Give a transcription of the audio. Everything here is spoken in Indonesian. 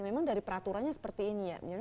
memang dari peraturannya seperti ini ya